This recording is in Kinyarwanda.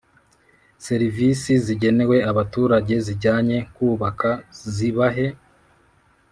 Serivisi zigenewe abaturage zijyanye kubaka zibahe